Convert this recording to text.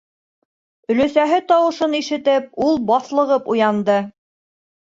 - Өләсәһе тауышын ишетеп, ул баҫлығып уянды.